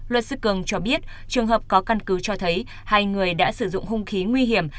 luật sư cường cho biết trường hợp có căn cứ cho thấy hai người đã sử dụng hung khí nguy hiểm